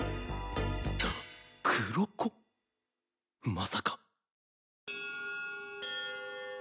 まさか。